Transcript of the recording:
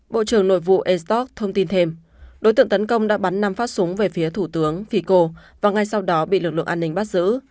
bộ trưởng nội vụ estock thông tin thêm đối tượng tấn công đã bắn năm phát súng về phía thủ tướng fico và ngay sau đó bị lực lượng an ninh bắt giữ